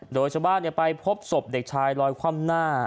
โดยชาวบ้านไปพบศพเด็กชายลอยคว่ำหน้า